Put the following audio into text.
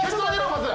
まず。